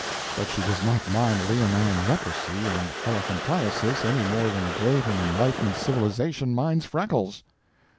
but she does not mind leonine leprosy and elephantiasis any more than a great and enlightened civilisation minds freckles.